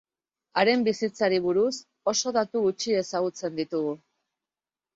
Haren bizitzari buruz oso datu gutxi ezagutzen ditugu.